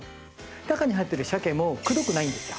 中に入ってる鮭もくどくないんですよ。